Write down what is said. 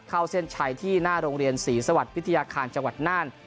เข้าเส้นชัยที่หน้าโรงเรียนศรีสวรรค์วิทยาคารจังหวัดน่าน